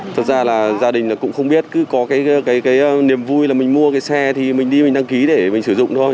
thật ra là gia đình cũng không biết cứ có cái niềm vui là mình mua cái xe thì mình đi mình đăng ký để mình sử dụng thôi